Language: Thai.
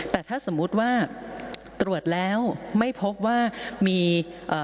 แต่ถ้าสมมุติว่าตรวจแล้วไม่พบว่ามีเอ่อ